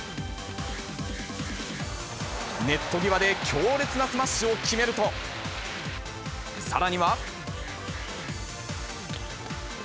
ネット際で強烈なスマッシュを決めると、さらには。